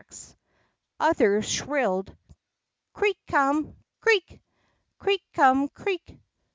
'' Others shrilled Creek come creek ! Creek come creek